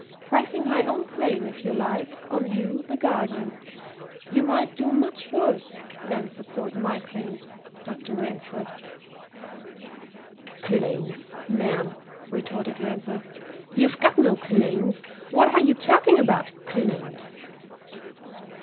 Pressing my own claim, if you like, on you, the guardian. You might do much worse than support my claims, Dr. Ransford." "Claims, man!" retorted Ransford. "You've got no claims! What are you talking about? Claims!"